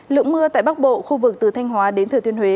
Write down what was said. lượng mưa tại bắc bộ khu vực từ thanh hóa đến thừa thiên huế